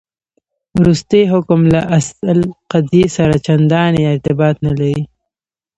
وروستی حکم له اصل قضیې سره چنداني ارتباط نه لري.